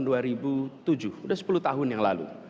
sudah sepuluh tahun yang lalu